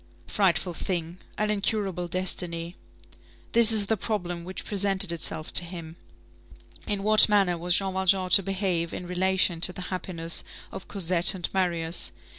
Frightful thing! an incurable destiny! This is the problem which presented itself to him: In what manner was Jean Valjean to behave in relation to the happiness of Cosette and Marius?